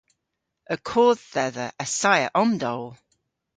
Y kodh dhedha assaya omdowl!